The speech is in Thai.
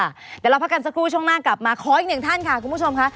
เดี๋ยวเราพักกันสักครู่ช่วงหน้ากลับมาขออีกหนึ่งท่านค่ะคุณผู้ชมค่ะ